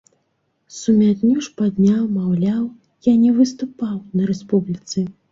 Сумятню ж падняў, маўляў, я не выступаў на рэспубліцы.